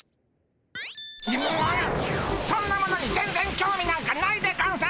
そんなものに全然興味なんかないでゴンス！